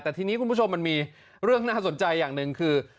แต่ทีนี้คุณผู้ชมมันมีเรื่องน่าสนใจอย่างหนึ่งคือ